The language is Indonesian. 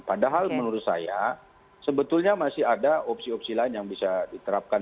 padahal menurut saya sebetulnya masih ada opsi opsi lain yang bisa diterapkan